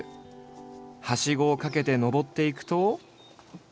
はしごをかけて登っていくと。